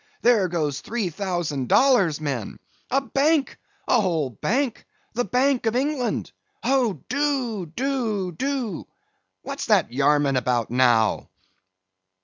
There goes three thousand dollars, men!—a bank!—a whole bank! The bank of England!—Oh, do, do, do!—What's that Yarman about now?"